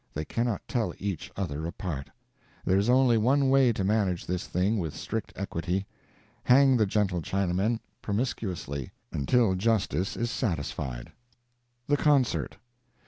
They cannot tell each other apart. There is only one way to manage this thing with strict equity: hang the gentle Chinamen promiscuously, until justice is satisfied. THE CONCERT.